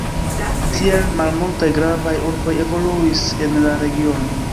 Tiel, malmultaj gravaj urboj evoluis en la regiono.